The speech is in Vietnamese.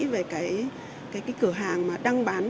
về cái cửa hàng mà đang bán